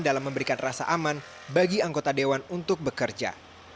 dalam memberikan rasa aman bagi anggota dewan untuk bekerja